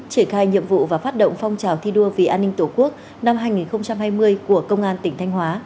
triển khai nhiệm vụ và phát động phong trào thi đua vì an ninh tổ quốc năm hai nghìn hai mươi của công an tỉnh thanh hóa